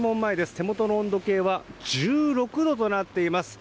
手元の温度計は１６度となっています。